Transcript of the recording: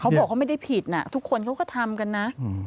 บอกเขาไม่ได้ผิดทุกคนเขาก็ทำกันนะ